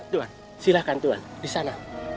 tuan silahkan tuhan di sana